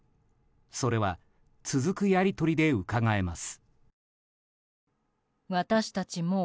それは続くやり取りでうかがえます。